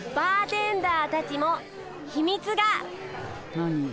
何？